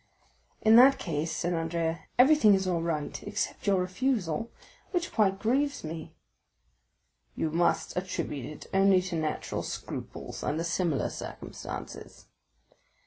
"In that case," said Andrea, "everything is all right, excepting your refusal, which quite grieves me." "You must attribute it only to natural scruples under similar circumstances."